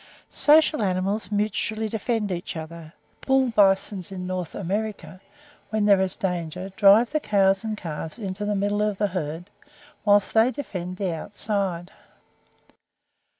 Social animals mutually defend each other. Bull bisons in N. America, when there is danger, drive the cows and calves into the middle of the herd, whilst they defend the outside.